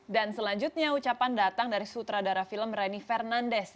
dan selanjutnya ucapan datang dari sutradara film reni fernandes